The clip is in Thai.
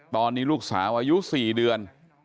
ตอนนี้ลูกสาวอายุ๔เดือน